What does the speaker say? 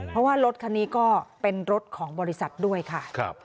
เพราะว่ารถคันนี้ก็เป็นรถของบริษัทด้วยค่ะ